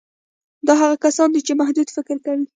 دا هغه کسان دي چې محدود فکر کوي